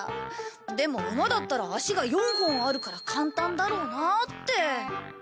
でも馬だったら足が４本あるから簡単だろうなって。